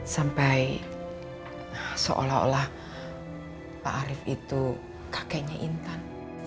sampai seolah olah pak arief itu kakeknya intan